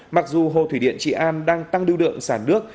mặc dù hồ thủy điện trị an đang tăng lưu lượng sản nước